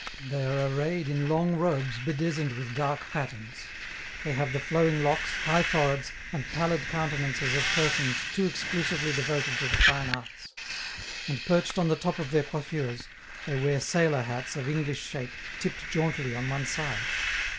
They are arrayed in long robes bedizened with dark patterns; they have the flowing locks, high foreheads, and pallid countenances of persons too exclusively devoted to the fine arts; and, perched on the top of their coiffures, they wear sailor hats of English shape tipped jauntily on one side.